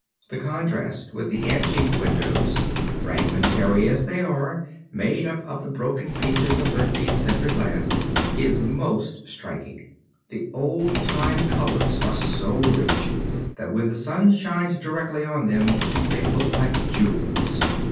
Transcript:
The contrast with the antique windows, fragmentary as they are, made up of the broken pieces of Thirteenth Century glass is most striking. The old time colors are so rich that when the sun shines directly on them they look like jewels.